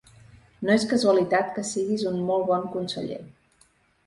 No és casualitat que siguis un molt bon conseller.